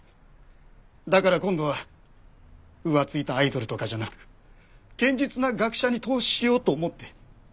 だから今度は浮ついたアイドルとかじゃなく堅実な学者に投資しようと思って。